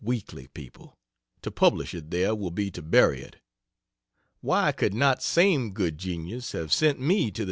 Weekly people. To publish it there will be to bury it. Why could not same good genius have sent me to the N.